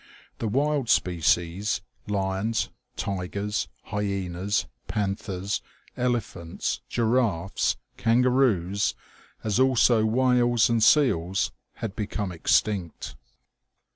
The wild species, lions, tigers, hyenas, panthers, elephants, giraffes, kangaroos, as also whales and seals, had become extinct.